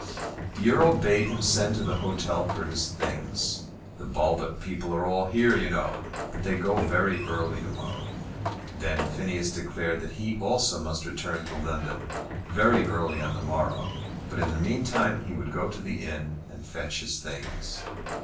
The Earl bade him send to the hotel for his things. "The Baldock people are all here, you know, but they go very early to morrow." Then Phineas declared that he also must return to London very early on the morrow; but in the meantime he would go to the inn and fetch his things.